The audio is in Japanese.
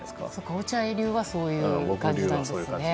落合流はそういう感じなんですね。